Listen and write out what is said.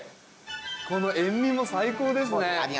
この塩味も最高ですね。